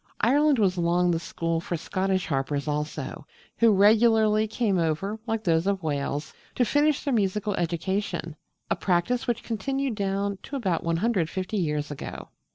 Ireland was long the school for Scottish harpers also, who regularly came over, like those of Wales, to finish their musical education a practice which continued down to about 150 years ago.